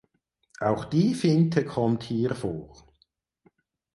Auch die Finte kommt hier vor.